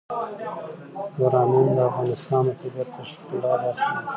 یورانیم د افغانستان د طبیعت د ښکلا برخه ده.